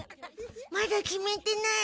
まだ決めてない。